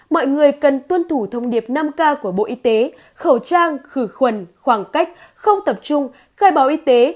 mọi người cần tuân thủ thông điệp năm k của bộ y tế khẩu trang khử khuẩn khoảng cách không tập trung khai báo y tế